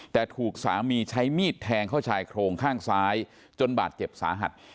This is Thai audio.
แต่ถูกสามีใช้มีดแทงเข้าชายโครงข้างซ้ายจนบาดเจ็บสาหัส